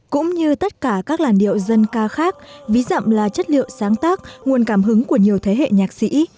cũng như tất cả các làn điệu dân ca khác ví dặm là chất liệu sáng tác nguồn cảm hứng của nhiều thế hệ nhạc sĩ